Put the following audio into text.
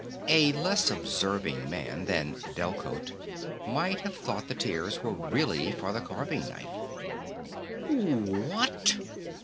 A less observing man than Delcote might have thought the tears were really for the carving knife. "What?